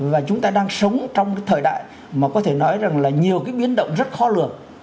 và chúng ta đang sống trong cái thời đại mà có thể nói rằng là nhiều cái biến động rất khó lường